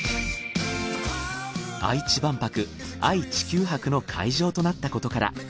愛知万博愛・地球博の会場となったことから。